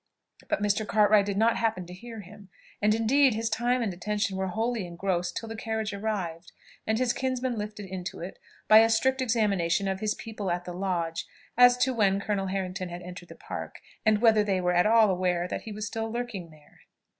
But Mr. Cartwright did not happen to hear him; and indeed his time and attention were wholly engrossed till the carriage arrived, and his kinsman lifted into it, by a strict examination of his people at the lodge, as to when Colonel Harrington had entered the Park, and whether they were at all aware that he was still lurking there.